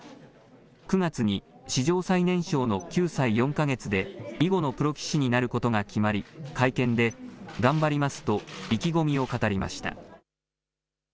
９月に史上最年少の９歳４か月で囲碁のプロ棋士になることが決まり、会見で、頑張りますと意気込みを語りました。